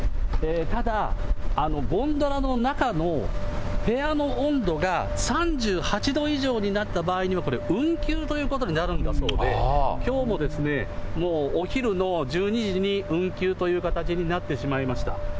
ただ、ゴンドラの中の部屋の温度が３８度以上になった場合には、これ、運休ということになるんだそうで、きょうももうお昼の１２時に運休という形になってしまいました。